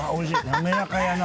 滑らかやな。